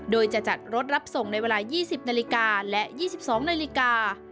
โดยจะจัดรถรับส่งในเวลา๒๐นาฬิกาและ๒๒นาฬิกา